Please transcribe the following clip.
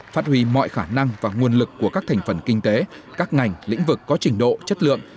phát huy mọi khả năng và nguồn lực của các thành phần kinh tế các ngành lĩnh vực có trình độ chất lượng